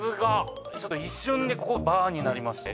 いやちょっと一瞬でここがバーになりましたね。